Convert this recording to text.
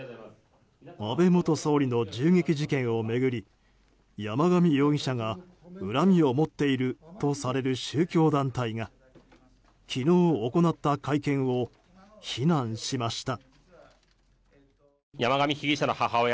安倍元総理の銃撃事件を巡り山上容疑者が恨みを持っているとされる宗教団体が昨日、行った会見を非難しました。